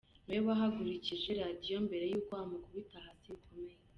Ni we wahagurukije Radio mbere y’uko amukubita hasi bikomeye.